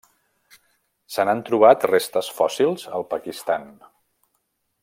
Se n'han trobat restes fòssils al Pakistan.